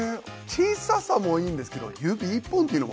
小ささもいいんですけど指１本というのもかわいいですね。